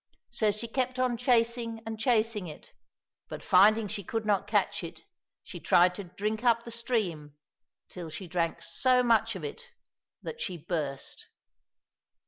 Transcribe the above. So she kept on chasing it and chasing it, but finding she could not catch it, she tried to drink up the stream, till she drank so much of it that she burst.